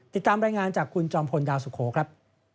ติดตามรายงานจากคุณจอมพลดาวสุโขครับ